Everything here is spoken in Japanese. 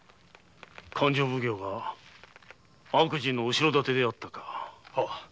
勘定奉行が悪事の後ろ盾であったか。